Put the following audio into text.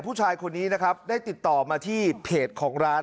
ผู้ชายคนนี้นะครับได้ติดต่อมาที่เพจของร้าน